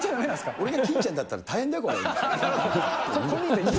俺が欽ちゃんだったら、大変だよ、これ。